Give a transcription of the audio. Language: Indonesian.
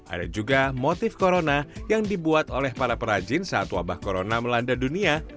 ada juga motif corona yang dibuat oleh para perajin saat wabah corona melanda dunia